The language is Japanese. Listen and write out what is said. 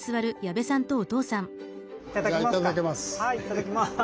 いただきます。